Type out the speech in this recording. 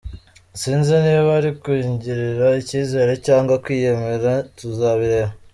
Sinzi niba ari ukwigirira icyizere cyangwa kwiyemera, tuzabireba.